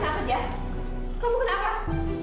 maya kenapa jah